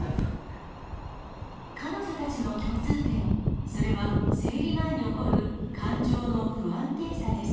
彼女たちの共通点、それは、生理前に起こる感情の不安定さです。